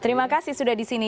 terima kasih sudah di sini